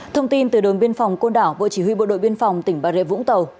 thông tin từ đồn biên phòng côn đảo bộ chỉ huy bộ đội biên phòng tỉnh bà rịa vũng tàu